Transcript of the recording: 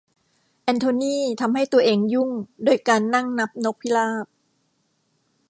แอนโทนี่ทำให้ตัวเองยุ่งโดยการนั่งนับนกพิราบ